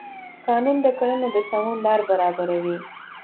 قانون د کړنو د سمون لار برابروي.